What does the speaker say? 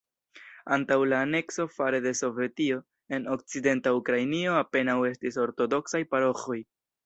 Antaŭ la anekso fare de Sovetio, en okcidenta Ukrainio apenaŭ estis ortodoksaj paroĥoj.